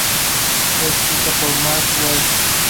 Fue escrita por Mark Waid.